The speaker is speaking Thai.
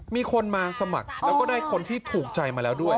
มีคนมาสมัครแล้วก็ได้คนที่ถูกใจมาแล้วด้วย